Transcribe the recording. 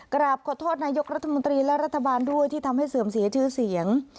กราบขอโทษนายกรัฐมนตรีและรัฐบาลด้วยที่ทำให้เสื่อมเสียชื่อเสียง